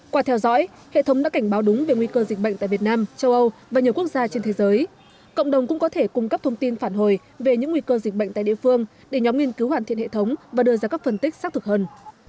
qua theo dõi hệ thống đã cảnh báo đúng về nguy cơ dịch bệnh tại việt nam châu âu và nhiều quốc gia trên thế giới cộng đồng cũng có thể cung cấp thông tin phản hồi về những nguy cơ dịch bệnh tại địa phương để nhóm nghiên cứu hoàn thiện hệ thống và đưa ra các phân tích xác thực hơn